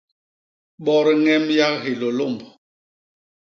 Bot ñem yak Hilôlômb.